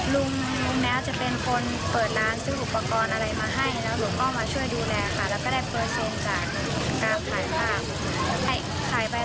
ลุงแม้จะเป็นคนเปิดร้านซื้ออุปกรณ์อะไรมาให้แล้วก็มาช่วยดูแลค่ะ